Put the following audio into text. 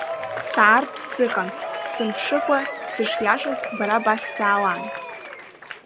Саартә сыҟан сымԥшыкәа сышиашаз бара бахь саауан.